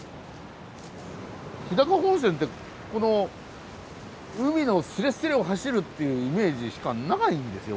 日高本線って海のスレスレを走るっていうイメージしかないんですよ